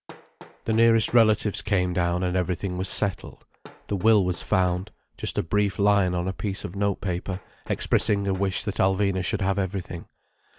The nearest relatives came down, and everything was settled. The will was found, just a brief line on a piece of notepaper expressing a wish that Alvina should have everything.